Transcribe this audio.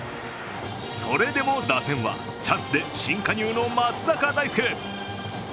それでも打線はチャンスで新加入の松坂大輔。